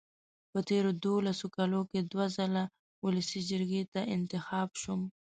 په تېرو دولسو کالو کې دوه ځله ولسي جرګې ته انتخاب شوم.